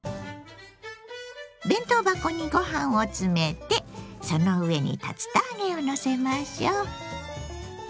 弁当箱にご飯を詰めてその上に竜田揚げをのせましょう。